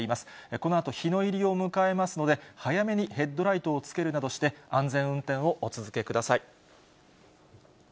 このあと日の入りを迎えますので、早めにヘッドライトをつけるなどして、安全運転をお続けください。